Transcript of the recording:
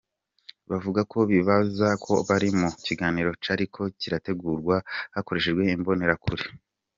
Bavuga ko bibaza ko bari mu kiganiro cariko kirategurwa hakoreshejwe imbonerakure.